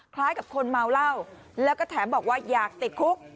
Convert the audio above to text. คล้ายกับคนเมาเหล้าแล้วก็แถมบอกว่าอยากติดคุก